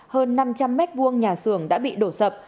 hơn năm trăm linh mét vuông nhà xưởng đã bị đổ sập